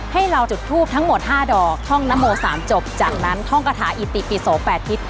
ให้เราจุดทูปทั้งหมด๕ดอกท่องนโม๓จบจากนั้นท่องกระถาอิติปิโส๘ทิศ